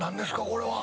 これは。